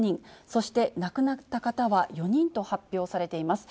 そして亡くなった方は４人と発表されています。